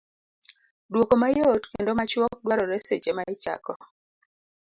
Dwoko mayot kendo machuok dwarore seche ma ichako